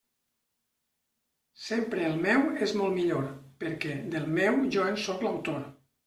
Sempre el meu és molt millor, perquè del meu jo en sóc l'autor.